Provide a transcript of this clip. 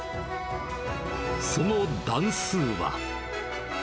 その段数は。